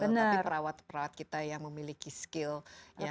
tapi perawat perawat kita yang memiliki skill yang tertentu